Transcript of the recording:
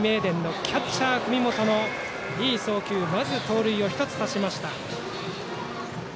２回の裏、キャッチャー文元のいい送球でまず盗塁を１つ刺した。